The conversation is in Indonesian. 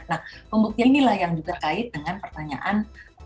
nah pembuktian inilah yang juga kait dengan pertanyaan